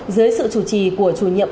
dưới sự chủ trì của chủ nhiệm